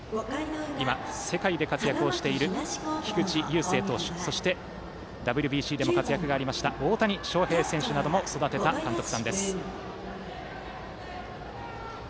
今、世界で活躍している菊池雄星投手そしてＷＢＣでも活躍がありました大谷翔平選手を育てた監督さんです。